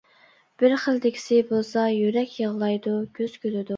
بىر خىلدىكىسى بولسا يۈرەك يىغلايدۇ، كۆز كۈلىدۇ.